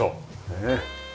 ねえ。